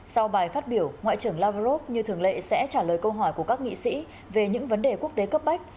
sau bài phát biểu ngoại trưởng lavrov như thường lệ sẽ trả lời câu hỏi của các nghị sĩ về những vấn đề quốc tế cấp bách